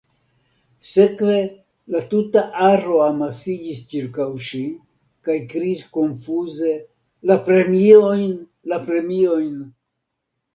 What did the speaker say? Sekve, la tuta aro amasiĝis ĉirkaŭ ŝi kaj kriis konfuze La premiojn, la premiojn.